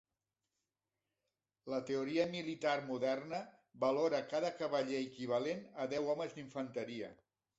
La teoria militar moderna valora cada cavaller equivalent a deu homes d'infanteria.